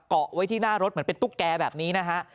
เกาะไว้ที่หน้ารถเหมือนเป็นตุ๊กแกแบบนี้นะฮะ